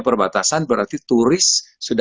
perbatasan berarti turis sudah